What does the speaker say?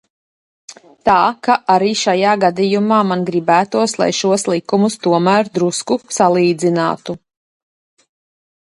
Tā ka arī šajā gadījumā man gribētos, lai šos likumus tomēr drusku salīdzinātu.